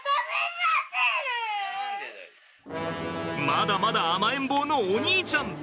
まだまだ甘えん坊のお兄ちゃん！